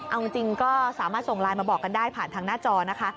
เอาจริงก็สามารถส่งไลน์มาบอกกันได้ผ่านทางหน้าจอนะคะ